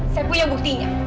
saya punya buktinya